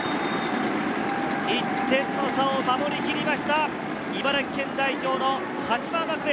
１点の差を守り切りました、茨城県代表の鹿島学園。